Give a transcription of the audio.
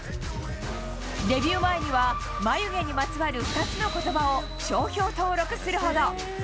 デビュー前には、眉毛にまつわる２つのことばを商標登録するほど。